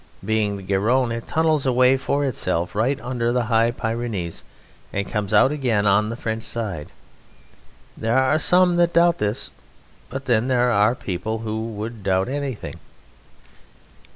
Being the Garonne it tunnels a way for itself right under the High Pyrenees and comes out again on the French side. There are some that doubt this, but then there are people who would doubt anything.